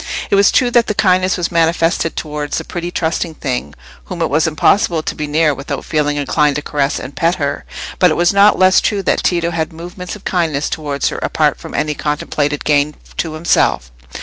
It was true that the kindness was manifested towards a pretty trusting thing whom it was impossible to be near without feeling inclined to caress and pet her; but it was not less true that Tito had movements of kindness towards her apart from any contemplated gain to himself.